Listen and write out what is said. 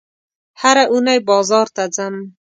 هره اونۍ بازار ته ځم